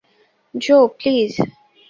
Joe, please.